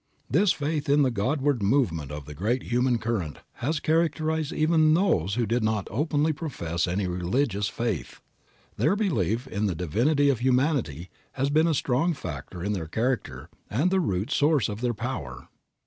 This faith in the Godward movement of the great human current has characterized even those who did not openly profess any religious faith. Their belief in the divinity of humanity has been a strong factor in their character, and the root source of their power.